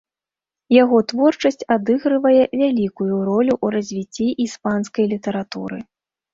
Яго творчасць адыгрывае вялікую ролю ў развіцці іспанскай літаратуры.